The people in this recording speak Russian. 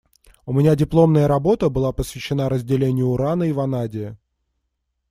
У меня дипломная работа, была посвящена разделению урана и ванадия.